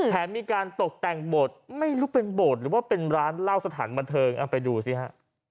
มีการตกแต่งโบสถ์ไม่รู้เป็นโบสถ์หรือว่าเป็นร้านเหล้าสถานบันเทิงเอาไปดูสิฮะ